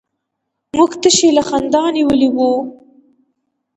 موږ تشي له خندا نيولي وو.